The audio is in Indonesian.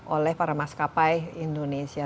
oleh para maskapai indonesia